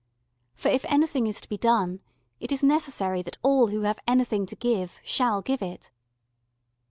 For if anything is to be done, it is necessary that all who have anything to give, shall give it.